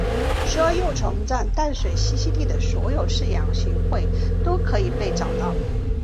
石蛾幼虫在淡水栖息地的所有饲养行会都可以被找到。